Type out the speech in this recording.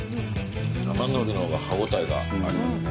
生のりの方が歯応えがありますね